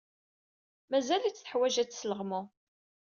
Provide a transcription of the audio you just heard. Mazal-itt teḥwaj ad tesleɣmu.